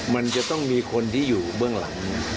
มันจะต้องมีคนที่อยู่เบื้องหลัง